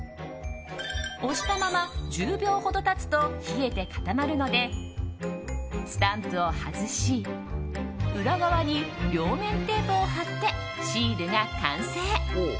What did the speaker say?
押したまま１０秒ほど経つと冷えて固まるのでスタンプを外し、裏側に両面テープを貼ってシールが完成。